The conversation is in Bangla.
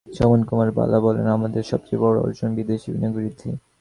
স্বপন কুমার বালা বলেন, আমাদের সবচেয়ে বড় অর্জন বিদেশি বিনিয়োগ বৃদ্ধি।